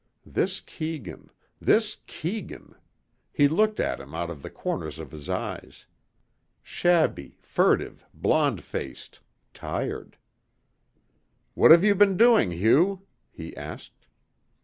This Keegan ... this Keegan. He looked at him out of the corners of his eyes. Shabby, furtive, blond faced, tired. "What have you been doing, Hugh?" he asked.